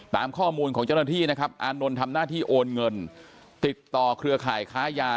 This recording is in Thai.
ตามข้อมูลของเจ้าหน้าที่นะครับอานนท์ทำหน้าที่โอนเงินติดต่อเครือข่ายค้ายา